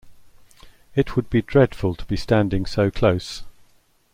It would be dreadful to be standing so close!